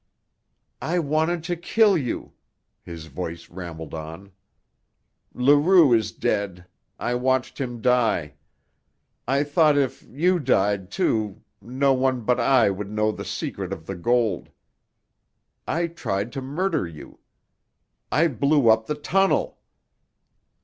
"I wanted to kill you," his voice rambled on. "Leroux is dead. I watched him die. I thought if you died, too, no one but I would know the secret of the gold. I tried to murder you. I blew up the tunnel!"